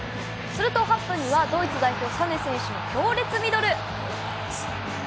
すると８分にはドイツ代表サネ選手の強烈ミドル。